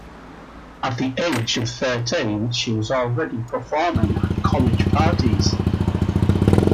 At the age of thirteen, she was already performing at college parties.